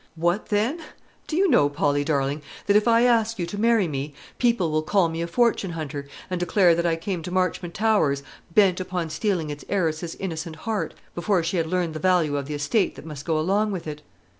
"What then? Do you know, Polly darling, that if I ask you to marry me people will call me a fortune hunter, and declare that I came to Marchmont Towers bent upon stealing its heiress's innocent heart, before she had learned the value of the estate that must go along with it?